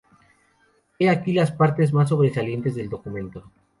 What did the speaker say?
He aquí las partes más sobresalientes del documento